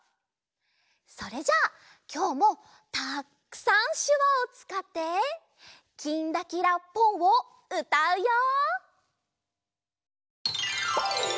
それじゃきょうもたくさんしゅわをつかって「きんらきらぽん」をうたうよ！